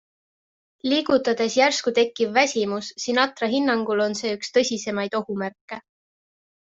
Liigutades järsku tekkiv väsimus Sinatra hinnangul on see üks tõsisemaid ohumärke.